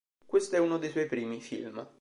Questo è uno dei suoi primi film.